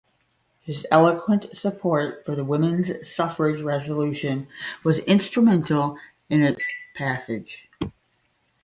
His eloquent support for the women's suffrage resolution was instrumental in its passage.